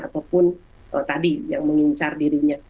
ataupun tadi yang mengincar dirinya